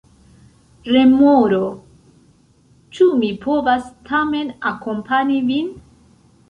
Remoro: "Ĉu mi povas tamen akompani vin?"